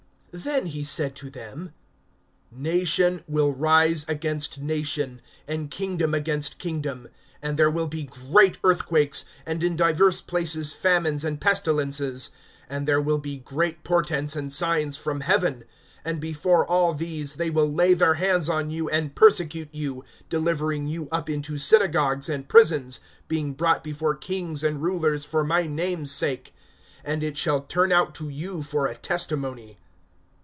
(10)Then said he to them: Nation will rise against nation, and kingdom against kingdom; (11)and there will be great earthquakes, and in divers places famines and pestilences; and there will be great portents and signs from heaven. (12)And before all these, they will lay their hands on you, and persecute you, delivering you up into synagogues and prisons, being brought before kings and rulers for my name's sake. (13)And it shall turn out to you for a testimony.